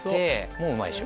もううまいでしょ。